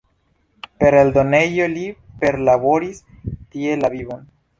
Per eldonejo li perlaboris tie la vivon.